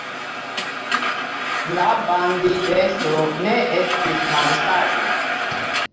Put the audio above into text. La banditestro ne estis malsaĝa.